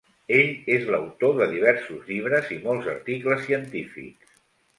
Ell és l'autor de diversos llibres i molts articles científics.